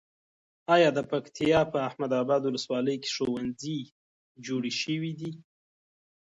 ایا د پکتیا په احمد اباد ولسوالۍ کې ښوونځي جوړ شوي دي؟